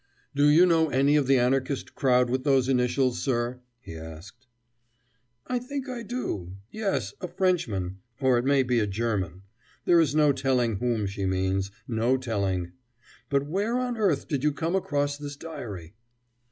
"Do you know any of the Anarchist crowd with those initials, sir?" he asked. "I think I do; yes, a Frenchman. Or it may be a German. There is no telling whom she means no telling. But where on earth did you come across this diary?"